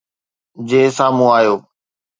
جي سامهون آيو